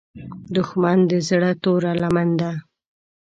دښمن د زړه توره لمن ده